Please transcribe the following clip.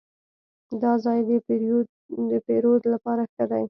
دا ځای د پیرود لپاره ښه دی.